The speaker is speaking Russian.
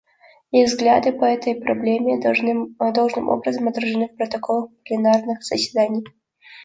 Их взгляды по этой проблеме должным образом отражены в протоколах пленарных заседаний.